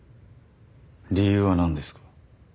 理由は何ですか？